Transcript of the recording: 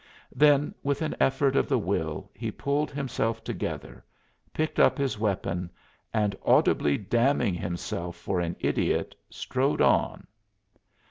Then with an effort of the will he pulled himself together, picked up his weapon and audibly damning himself for an idiot strode on.